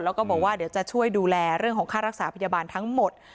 แล้วก็บอกว่าเดี๋ยวจะช่วยดูแลเรื่องของค่ารักษาพยาบาลทั้งหมด